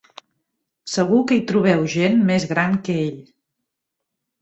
Segur que hi trobeu gent més gran que ell.